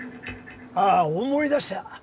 あ思い出した。